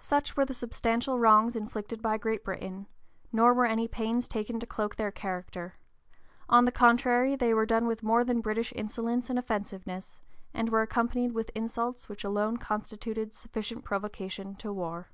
Such were the substantial wrongs inflicted by Great Britain; nor were any pains taken to cloak their character; on the contrary, they were done with more than British insolence and offensiveness, and were accompanied with insults which alone (p. 045) constituted sufficient provocation to war.